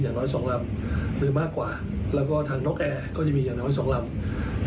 อย่างน้อย๒ลำหรือมากกว่าแล้วก็ทางนกแอร์ก็จะมีอย่างน้อย๒ลำ